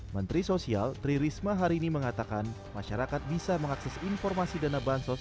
menteri sosial tri risma hari ini mengatakan masyarakat bisa mengakses informasi dana bansos